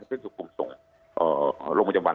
นับประสานปุ่มพลังส่วนจากจังหวัน